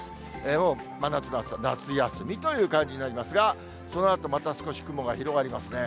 もう真夏の暑さ、夏休みという感じになりますが、そのあとまた少し雲が広がりますね。